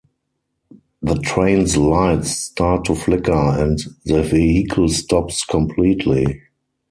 The train's lights start to flicker and the vehicle stops completely.